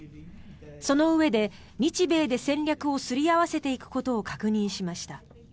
そのうえで日米で戦略をすり合わせていくことを確認しました。